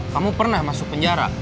kamu pernah masuk penjara